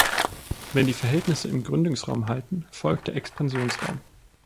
Wenn die Verhältnisse im Gründungsraum halten, folgt der Expansionsraum.